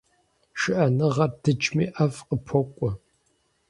Шыӏэныгъэр дыджми, ӏэфӏ къыпокӏуэ.